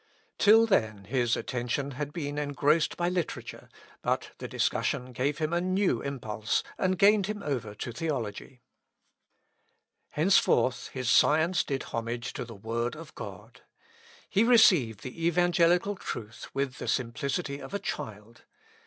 Till then his attention had been engrossed by literature, but the discussion gave him a new impulse, and gained him over to theology. Henceforth his science did homage to the word of God. He received the evangelical truth with the simplicity of a child.